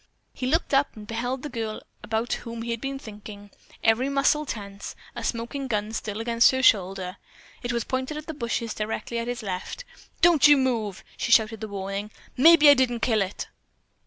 He looked up and beheld the girl about whom he had been thinking, every muscle tense, a smoking gun still against her shoulder. It was pointed at the bushes directly at his left. "Don't you move!" she shouted the warning. "Maybe I didn't kill it."